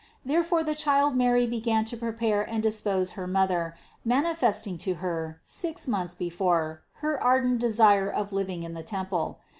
Therefore the child Mary began to prepare and dispose her mother, manifesting to her, six months before, her ardent desire of living in the temple.